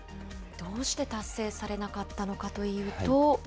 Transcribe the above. どうして達成されなかったのかというと。